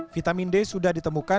vitamin d sudah ditemukan